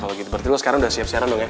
berarti lo sekarang udah siap siaran dong ya